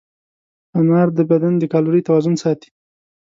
انار د بدن د کالورۍ توازن ساتي.